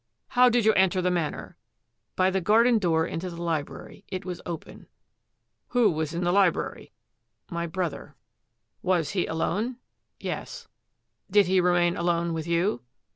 " How did you enter the Manor? "" By the garden door into the library ; it was open." "Who was in the library?" " My brother." UNDER FIRE 189 "Was he alone?'' " Yes." " Did he remain alone with you?